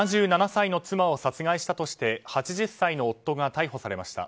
７７歳の妻を殺害したとして８０歳の夫が逮捕されました。